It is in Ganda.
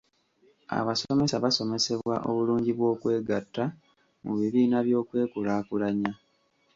Abasomesa basomesebwa obulungi bw'okwegatta mu bibiina by'okwekulaakulanya.